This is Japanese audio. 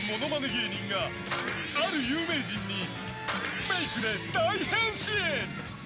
芸人がある有名人にメイクで大変身！